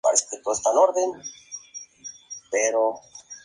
A los trece años estudió la secundaria en el liceo Independencia de Caracas.